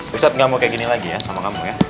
pusat nggak mau kayak gini lagi ya sama kamu ya